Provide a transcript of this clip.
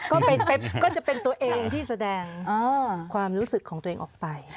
ก็จะเป็นตัวเองที่แสดงความรู้สึกของตัวเองออกไป